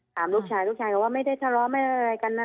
ถามลูกชายลูกชายก็ว่าไม่ได้ทะเลาะไม่ได้อะไรกันนะ